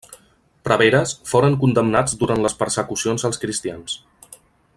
Preveres, foren condemnats durant les persecucions als cristians.